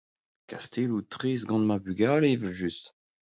Kastelloù-traezh gant ma bugale evel-just.